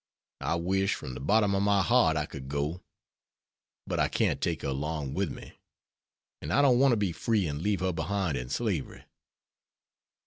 I wish, from the bottom of my heart, I could go. But I can't take her along with me, an' I don't want to be free and leave her behind in slavery.